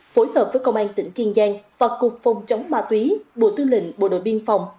phối hợp với công an tỉnh kiên giang và cục phòng chống ma túy bộ tư lệnh bộ đội biên phòng